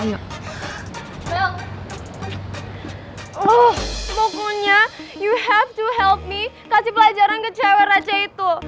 you have to help me kasih pelajaran ke cewek raja itu